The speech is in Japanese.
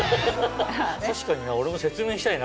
確かに俺も説明したいな。